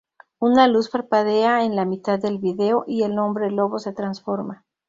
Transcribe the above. Una luz parpadea en la mitad del video, y el hombre lobo se transforma.